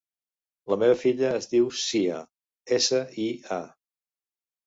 La meva filla es diu Sia: essa, i, a.